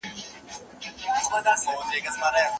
زما هيندارې ته!